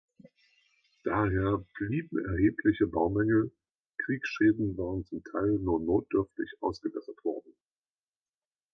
Daher blieben erhebliche Baumängel, Kriegsschäden waren zum Teil nur notdürftig ausgebessert worden.